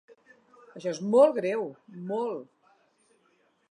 Això és molt greu, molt.